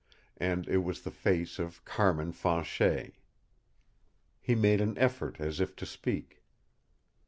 And it was the face of Carmin Fanchet! He made an effort, as if to speak.